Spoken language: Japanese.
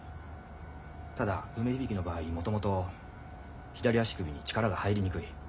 ただ梅響の場合もともと左足首に力が入りにくい。